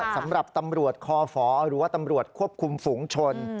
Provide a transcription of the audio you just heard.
สำหรับตำรวจคอฝหรือว่าตำรวจควบคุมฝูงชน